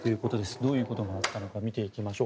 どういうことが起きたのか見ていきましょう。